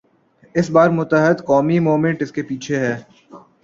اس بار متحدہ قومی موومنٹ اس کے پیچھے ہے۔